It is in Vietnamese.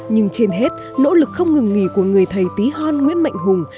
nhưng trên hết nỗ lực không ngừng nghỉ của người thầy tý hon nguyễn mạnh hùng